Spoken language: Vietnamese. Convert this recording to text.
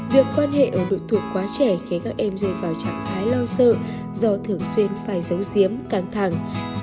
việc quan hệ ở đội thuộc quá trẻ khiến các em rơi vào trạng thái lo sợ do thường xuyên phải giấu giếm căng thẳng